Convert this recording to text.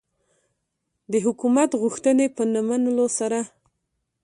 د حکومت غوښتنې په نه منلو سره.